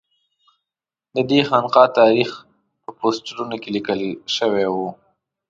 ددې خانقا تاریخ په پوسټرونو کې لیکل شوی و.